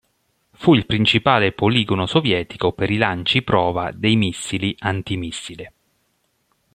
Fu il principale poligono sovietico per i lanci prova dei missili anti-missile.